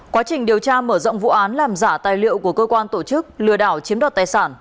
quá trình điều tra mở rộng vụ án làm giả tài liệu của cơ quan tổ chức lừa đảo chiếm đoạt tài sản